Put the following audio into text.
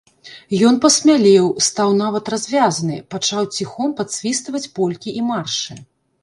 Ён пасмялеў, стаў нават развязны, пачаў ціхом падсвістваць полькі і маршы.